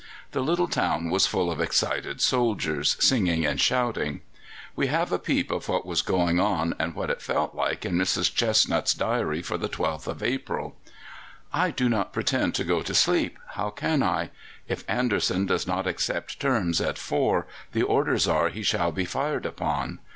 The little town was full of excited soldiers, singing and shouting. We have a peep of what was going on and what it felt like in Mrs. Chestnut's diary for the 12th of April: "I do not pretend to go to sleep. How can I? If Anderson does not accept terms at four the orders are he shall be fired upon.